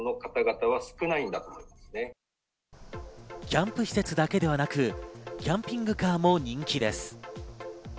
キャンプ施設だけではなくキャンピングカーも人気です。